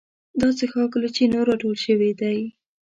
دا څښاک له چینو راټول شوی دی.